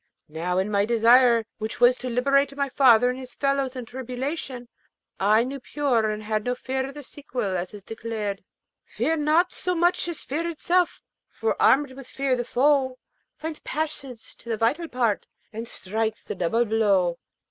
Now, my desire, which was to liberate my father and his fellows in tribulation, I knew pure, and had no fear of the sequel, as is declared: Fear nought so much as Fear itself; for arm'd with Fear the Foe Finds passage to the vital part, and strikes a double blow.